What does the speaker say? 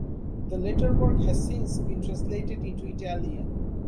The latter work has since been translated into Italian.